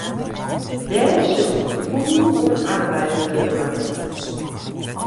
Dêr sil noch fûl oan arbeide wurde moatte.